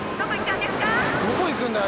どこ行くんだよ